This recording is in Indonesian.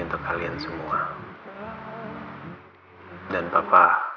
terima kasih ya sayang